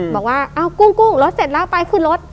บอกว่าเอ้ากุ้งรถเสร็จแล้วไปขึ้นรถ